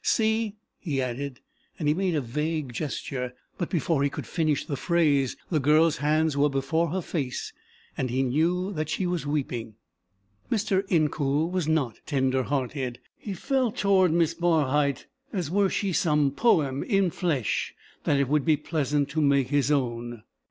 See " he added, and he made a vague gesture, but before he could finish the phrase, the girl's hands were before her face and he knew that she was weeping. Mr. Incoul was not tender hearted. He felt toward Miss Barhyte as were she some poem in flesh that it would be pleasant to make his own.